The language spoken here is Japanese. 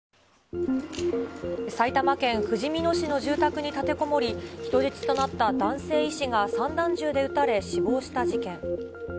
埼玉県ふじみ野市の住宅に立てこもり、人質となった男性医師が散弾銃で撃たれ死亡した事件。